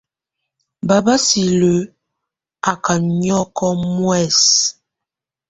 Babá silǝ́ á ká nyɔ́kɔ muɛsɛ.